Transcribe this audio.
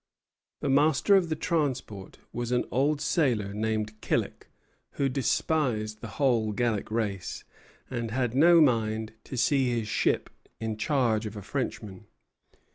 The master of the transport was an old sailor named Killick, who despised the whole Gallic race, and had no mind to see his ship in charge of a Frenchman.